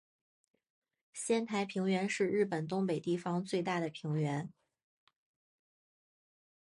仙台平原是日本东北地方最大的平原。